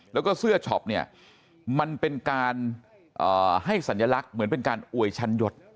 แล้วก็เสื้อช็อปเนี่ยมันเป็นการให้สัญลักษณ์เหมือนเป็นการอวยชั้นยศ